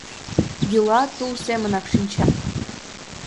Йӱла тул семынак шинча.